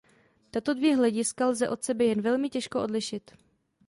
Tato dvě hlediska lze od sebe jen velmi těžko odlišit.